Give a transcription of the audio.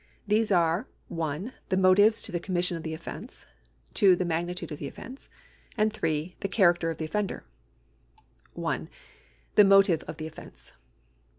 These are (1) the motives to the commission of the otfence, (2) the magnitude of the offence, and (3) the character of the oft'ender. L The motive of the offence.